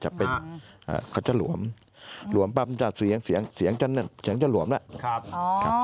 เขาจะหลวมหลวมปั๊บจัดเสียงเสียงจะหลวมแล้ว